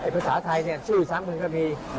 ภาษาไทยเนี่ยชื่อซ้ำมึงก็มี